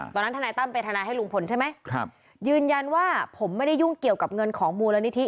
ถูกตามไปทนายให้ลุงพลยืนยันว่าผมไม่ยุ่งเกี่ยวกับเงินของมูลนิธิ